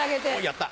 やった。